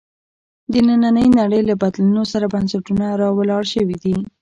د نننۍ نړۍ له بدلونونو سره بنسټونه راولاړ شوي دي.